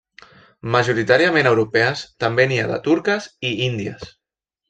Majoritàriament europees, també n'hi ha de turques i índies.